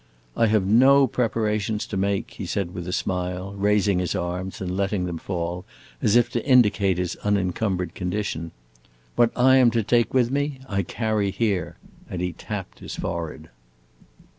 "I have no preparations to make," he said with a smile, raising his arms and letting them fall, as if to indicate his unencumbered condition. "What I am to take with me I carry here!" and he tapped his forehead.